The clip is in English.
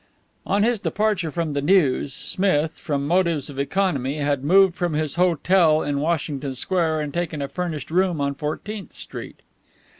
On his departure from the News, Smith, from motives of economy, had moved from his hotel in Washington Square and taken a furnished room on Fourteenth Street.